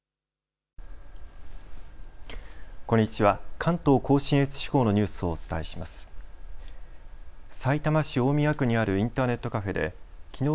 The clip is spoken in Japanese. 関東甲信越地方のニュースをお伝えします。